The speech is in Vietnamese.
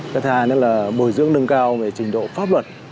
cái thứ hai nữa là bồi dưỡng nâng cao về trình độ pháp luật